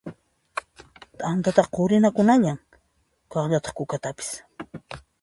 T'antataqa qurinakunalla, kaqllataq kukataqa.